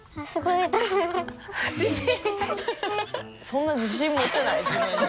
そんな自信持てない自分に。